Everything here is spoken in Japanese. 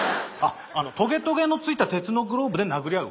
トゲトゲのついた鉄のグローブで殴り合う。